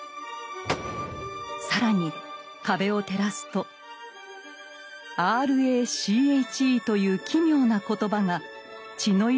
更に壁を照らすと「ＲＡＣＨＥ」という奇妙な言葉が血の色で記されていたのです。